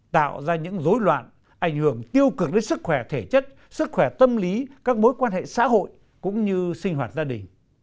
tạo ra những dối loạn ảnh hưởng tiêu cực đến sức khỏe thể chất sức khỏe tâm lý các mối quan hệ xã hội cũng như sinh hoạt gia đình